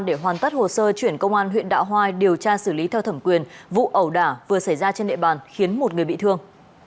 để hoàn tất hồ sơ chuyển công an huyện đạo hoai điều tra xử lý theo thẩm quyền vụ ẩu đả vừa xảy ra trên địa bàn khiến một người bị thương